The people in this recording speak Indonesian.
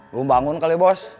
belum bangun kali bos